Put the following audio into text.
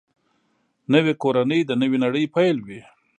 نوې کورنۍ د نوې نړۍ پیل وي